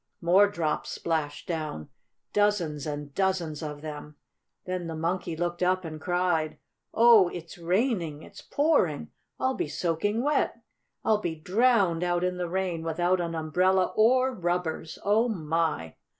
More drops splashed down, dozens and dozens of them. Then the Monkey looked up and cried: "Oh, it's raining! It's pouring! I'll be soaking wet! I'll be drowned out in the rain without an umbrella or rubbers! Oh, my!"